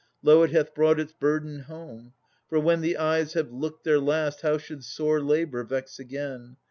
Lo! it hath brought its burden home. For when the eyes have looked their last How should sore labour vex again?